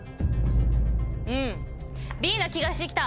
うんＢな気がして来た。